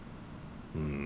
うん。